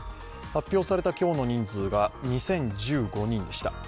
発表された今日の人数が２０１５人でした。